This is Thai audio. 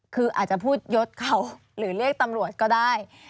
คืออาจจะพูดยดเขาหรือเรียกตำรวจก็ได้